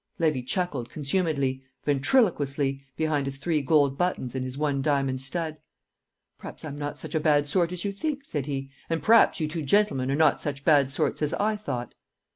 Levy chuckled consumedly ventriloquously behind his three gold buttons and his one diamond stud. "P'r'aps I'm not such a bad sort as you think," said he. "An' p'r'aps you two gentlemen are not such bad sorts as I thought."